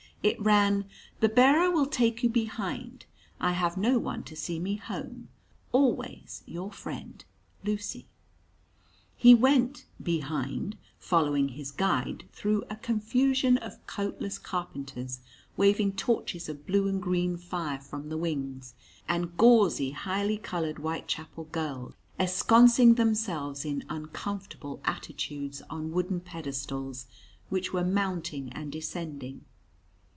It ran, "The bearer will take you behind. I have no one to see me home. Always your friend Lucy." He went "behind," following his guide through a confusion of coatless carpenters waving torches of blue and green fire from the wings, and gauzy, highly coloured Whitechapel girls ensconcing themselves in uncomfortable attitudes on wooden pedestals, which were mounting and descending.